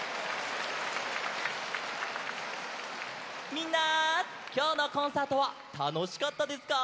みんなきょうのコンサートはたのしかったですか？